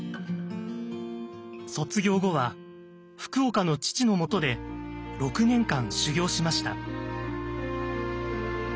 卒業後は福岡の父のもとで６年間修業しました。